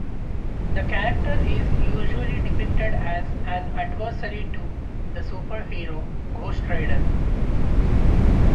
The character is usually depicted as an adversary to the superhero Ghost Rider.